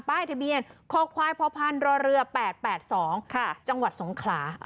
ป้ายทะเบียนคอกควายพอพันธุ์รอเรือ๘๘๒จังหวัดสงขลา